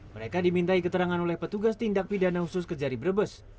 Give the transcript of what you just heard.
mereka dimintai keterangan oleh petugas tindak pidana khusus kejari brebes